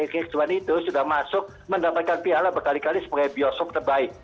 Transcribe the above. x satu itu sudah masuk mendapatkan piala berkali kali sebagai bioskop terbaik